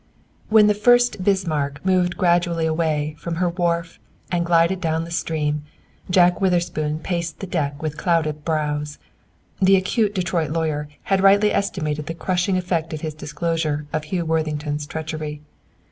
When the "Fuerst Bismarck" moved grandly away from her wharf and glided down the stream, Jack Witherspoon paced the deck with clouded brows. The acute Detroit lawyer had rightly estimated the crushing effect of his disclosure of Hugh Worthington's treachery.